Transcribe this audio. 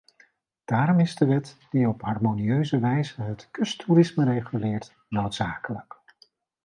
Daarom is de wet die op harmonieuze wijze het kusttoerisme reguleert noodzakelijk.